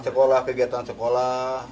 sekolah kegiatan sekolah